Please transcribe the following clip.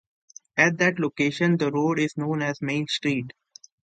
At that location, the road is known as Main Street.